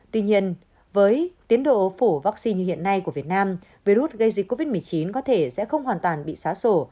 tuy nhiên với tiến độ phủ vaccine như hiện nay của việt nam virus gây dịch covid một mươi chín có thể sẽ không hoàn toàn bị xá sổ